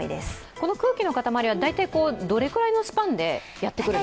この空気のかたまりはどれくらいのスパンでやってくるんですか。